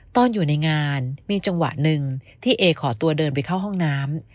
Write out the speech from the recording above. ตอนอยู่ในงานมีจังหวะหนึ่งที่เอขอตัวเดินไปเข้าห้องน้ำ